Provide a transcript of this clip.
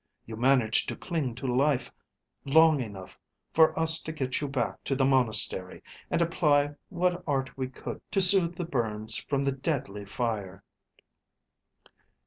You managed to cling to life long enough for us to get you back to the monastery and apply what art we could to sooth the burns from the deadly fire."